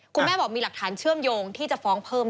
คุณแม่บอกมีหลักฐานเชื่อมโยงที่จะฟ้องเพิ่ม